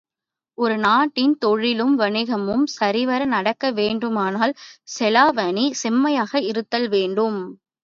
ஒரு நாட்டின் தொழிலும் வாணிகமும் சரிவர நடக்க வேண்டுமானால், செலாவணி செம்மையாக இருத்தல் வேண்டும்.